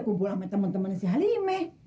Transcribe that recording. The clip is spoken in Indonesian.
kumpul sama temen temennya si halime